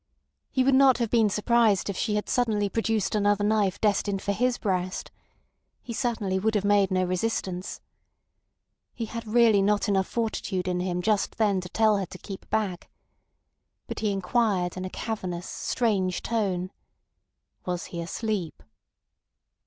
He would not have been surprised if she had suddenly produced another knife destined for his breast. He certainly would have made no resistance. He had really not enough fortitude in him just then to tell her to keep back. But he inquired in a cavernous, strange tone: "Was he asleep?"